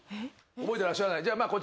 覚えてらっしゃらない？